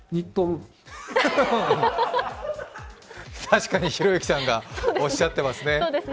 確かにひろゆきさんがおっしゃってますね。